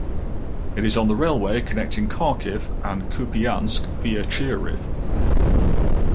It is on the railway connecting Kharkiv and Kupiansk via Chuhuiv.